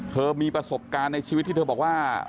มีประสบการณ์ในชีวิตที่เธอบอกว่า